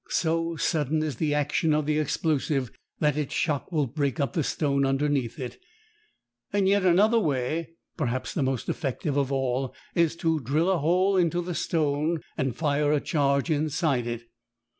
So sudden is the action of the explosive that its shock will break up the stone underneath it. Yet another way, perhaps the most effective of all, is to drill a hole into the stone and fire a charge inside it.